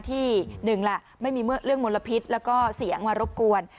ที่หนึ่งแหละไม่มีเรื่องมลพิษแล้วก็เสียงมารบกวน